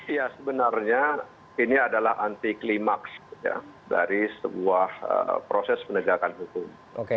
ya sebenarnya ini adalah anti klimaks dari sebuah proses penegakan hukum